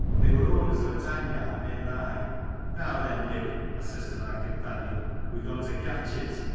They were owners of a tanyard near by. "Now then, Dick," I says to my companion, "we're going to catch it